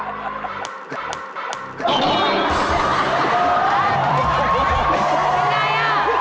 ไม่กล้า